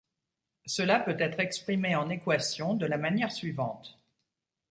Cela peut être exprimé en équations de la manière suivante.